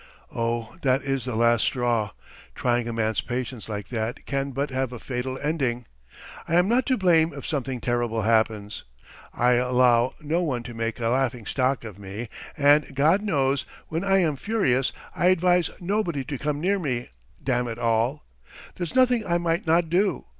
Oh, that is the last straw! Trying a man's patience like that can but have a fatal ending. I am not to blame if something terrible happens. I allow no one to make a laughing stock of me, and, God knows, when I am furious, I advise nobody to come near me, damn it all! There's nothing I might not do!